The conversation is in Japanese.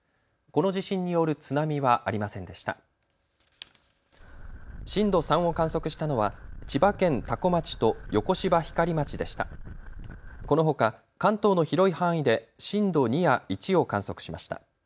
このほか関東の広い範囲で震度２や１を観測しました。